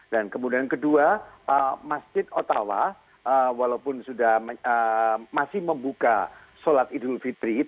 dan kemudian kedua masjid ottawa walaupun masih membuka solat idul fitri